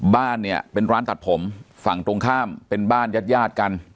บ้านเนี่ยเป็นร้านตัดผมฝั่งตรงข้ามเป็นบ้านญาติญาติกัน